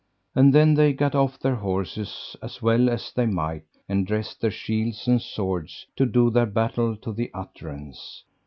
And then they gat off their horses as well as they might, and dressed their shields and swords to do their battle to the utterance.